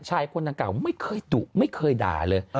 ชายคนดังกล่าวไม่เคยดุไม่เคยด่าเลย